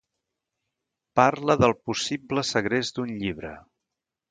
Parla del possible segrest d'un llibre